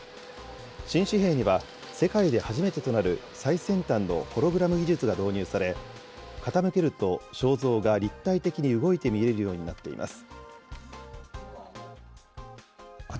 新紙幣には、世界で初めてとなる最先端のホログラム技術が導入され、傾けると肖像が立体的に動いて見えるようになっています。